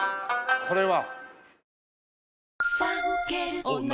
これは。